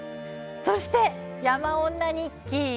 そして「山女日記」。